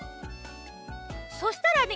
そしたらね